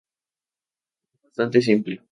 Es bastante simple.